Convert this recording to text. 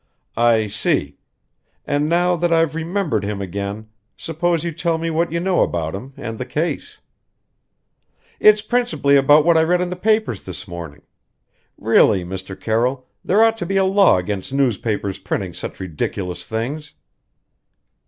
"I see! And now that I've remembered him again, suppose you tell me what you know about him and the case?" "It's principally about what I read in the papers this morning. Really, Mr. Carroll, there ought to be a law against newspapers printing such ridiculous things!"